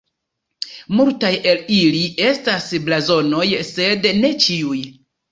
Multaj el ili estas blazonoj, sed ne ĉiuj.